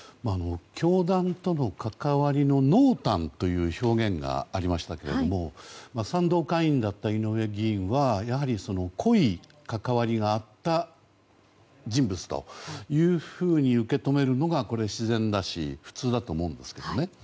教団との関わりの濃淡という表現がありましたが賛同会員だった井上議員は濃い関わりがあった人物というふうに受け止めるのがこれは自然だし、普通だと思うんですけどね。